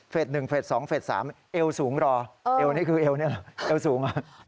เฟส๑เฟส๒เฟส๓เอวสูงรอเอวนี่คือเอวนี่เอวสูงรอ